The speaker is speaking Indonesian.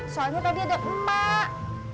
soalnya tadi ada empak